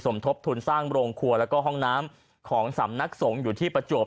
ทบทุนสร้างโรงครัวแล้วก็ห้องน้ำของสำนักสงฆ์อยู่ที่ประจวบ